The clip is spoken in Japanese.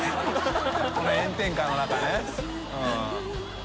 この炎天下の中ね。